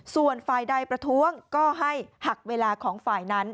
ส่วนฝ่ายใดประท้วงก็ให้หักเวลาของฝ่ายนั้น